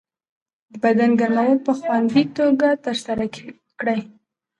د بدن ګرمول په خوندي توګه ترسره کړئ.